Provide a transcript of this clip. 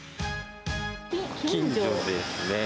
近所ですね。